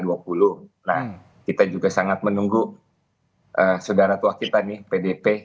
nah kita juga sangat menunggu saudara tua kita nih pdp